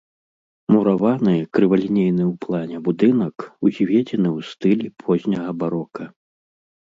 Мураваны, крывалінейны ў плане будынак узведзены ў стылі позняга барока.